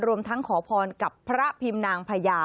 รวมทั้งขอพรกับพระพิมนางพญา